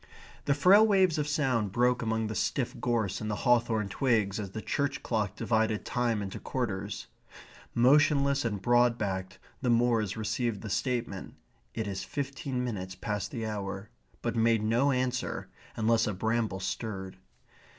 The frail waves of sound broke among the stiff gorse and the hawthorn twigs as the church clock divided time into quarters. Motionless and broad backed the moors received the statement "It is fifteen minutes past the hour," but made no answer, unless a bramble stirred.